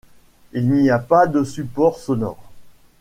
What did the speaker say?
Il n'y a pas de support sonore.